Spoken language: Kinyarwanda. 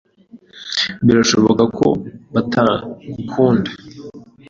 Birashoboka ko batagukunda.